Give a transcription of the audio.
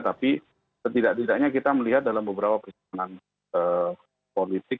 tapi setidak tidaknya kita melihat dalam beberapa perjalanan politik